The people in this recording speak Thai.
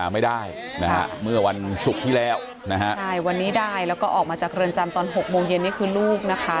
ไม่ได้นะฮะเมื่อวันศุกร์ที่แล้วนะฮะใช่วันนี้ได้แล้วก็ออกมาจากเรือนจำตอน๖โมงเย็นนี่คือลูกนะคะ